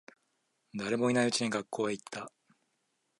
誰もいないうちに学校へ行った。